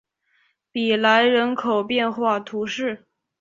比莱人口变化图示